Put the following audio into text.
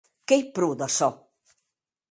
Qu’ei pro d’açò.